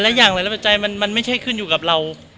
และอย่างหลายปัจจัยมันไม่ใช่ขึ้นอยู่กับเรา